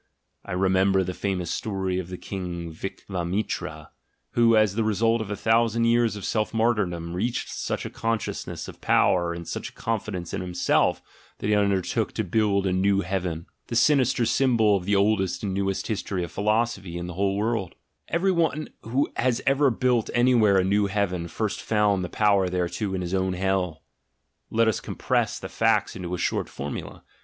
I remember the famous story of the King Vicvamitra, who, as the result of a thousand years of self martyrdom, reached such a consciousness of power and such a confidence in himself that he undertook to build a new heaven: the sinister symbol of the oldest and newest history of philosophy in the whole world. ASCETIC IDEALS 119 Every one who has ever built anywhere a "new heaven" first found the power thereto in his own hell. ... Let us compress the facts into a short formula.